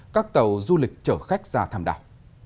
các tàu du lịch chở khách ra tham đảo